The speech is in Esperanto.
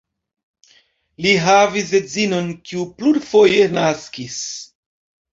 Li havis edzinon, kiu plurfoje naskis.